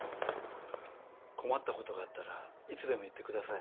困ったことがあったらいつでも言ってくださいね。